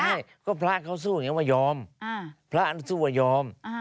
ใช่ก็พระเขาสู้อย่างนี้ว่ายอมพระอันสู้ว่ายอม